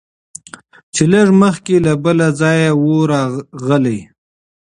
چي لږ مخکي له بل ځایه وو راغلی